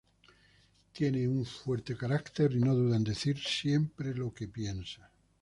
Tiene un fuerte carácter y no duda en decir siempre lo que piensa.